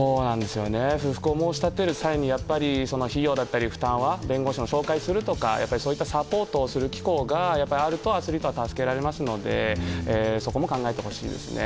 不服を申し立てる際に費用だったり負担は弁護士を紹介するとかサポートをする機構があるとアスリートは助けられますのでそこも考えてほしいですね。